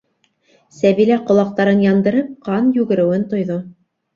- Сәбилә ҡолаҡтарын яндырып ҡан йүгереүен тойҙо.